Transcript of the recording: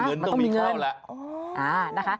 เงินต้องมีเข้าแล้ว